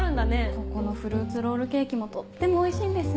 ここのフルーツロールケーキもとってもおいしいんです。